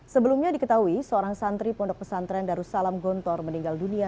sebelumnya diketahui seorang santri pondok pesantren darussalam gontor meninggal dunia